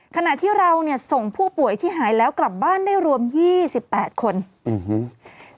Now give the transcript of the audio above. ขณะที่เราเนี่ยส่งผู้ป่วยที่หายแล้วกลับบ้านได้รวมยี่สิบแปดคนอื้อฮือ